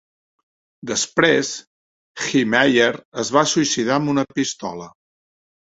Després, Heemeyer es va suïcidar amb una pistola.